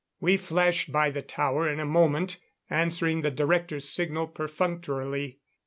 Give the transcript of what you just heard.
We flashed by the tower in a moment, answering the director's signal perfunctorily.